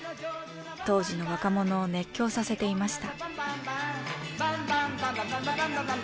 当時の若者を熱狂させていました。